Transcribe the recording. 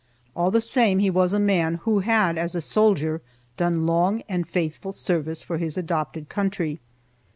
All the same, he was a man who had, as a soldier, done long and faithful service for his adopted country.